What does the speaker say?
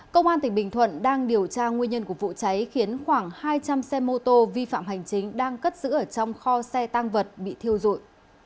công an tỉnh bình thuận đang điều tra nguyên nhân của vụ cháy khiến khoảng hai trăm linh xe mô tô vi phạm hành chính đang cất giữ ở trong kho xe tăng vật bị thiêu dụi